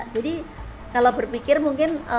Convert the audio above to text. jadi kalau berpikir mungkin